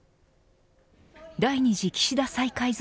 第２次岸田再改造